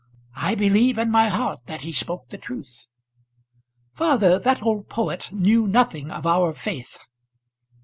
I believe in my heart that he spoke the truth." "Father, that old poet knew nothing of our faith."